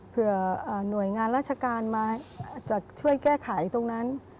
หน่วยงานราชการมาจะช่วยแก้ไขตรงนั้น